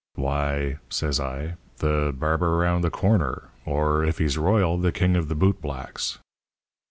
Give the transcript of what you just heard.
"'Why,' says I, 'the barber around the corner; or, if he's royal, the king of the boot blacks.'